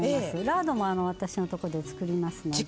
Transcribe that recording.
ラードも私のとこで作りますので。